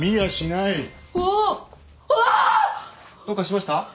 どうかしました？